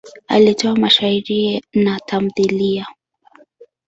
Alitoa mashairi na tamthiliya.